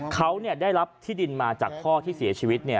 เขาได้รับที่ดินมาจากพ่อที่เสียชีวิต